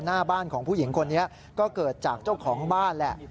หน้าบ้านของผู้หญิงคนนี้ก็เกิดจากเจ้าของบ้านแหละ